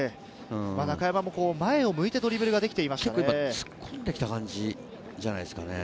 中山も前を向いてドリブルが突っ込んできた感じじゃないですかね。